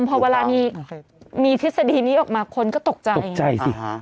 พอเวลามีทฤษฎีนี้ออกมาคนก็ตกใจ